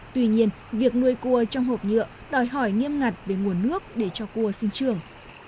tuy nhiên việc nuôi cua trong hộp nhựa đòi hỏi nghiêm ngặt về nguồn nước để cho cua sinh trường